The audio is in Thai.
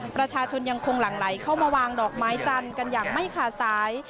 ประชาชนยังคงหลั่งไหลเข้ามาวางดอกไม้จันทร์กันอย่างไม่ขาดสาย